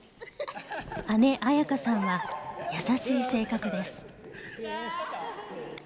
姉紋可さんは優しい性格です。